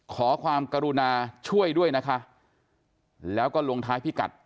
ขอความกรุณาช่วยด้วยนะคะแล้วก็ลงท้ายพิกัด